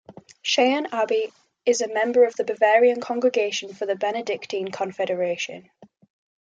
Scheyern Abbey is a member of the Bavarian Congregation of the Benedictine Confederation.